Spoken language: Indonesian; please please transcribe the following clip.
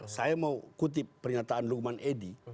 saya mau kutip pernyataan lugman edy